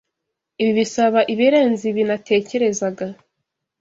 Ibi bisaba ibirenze ibi natekerezaga.